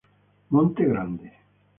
Monte Grande